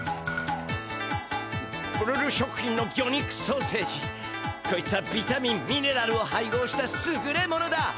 「ブルル食品の魚肉ソーセージこいつはビタミンミネラルを配合したすぐれものだ。